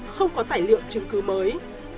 không có tài liệu chứng cứ mới